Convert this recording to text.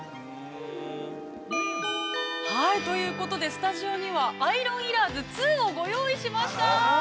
◆ということで、スタジオにはアイロンいらず２をご用意しました。